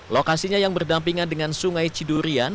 lokasinya yang berdampingan dengan sungai cidurian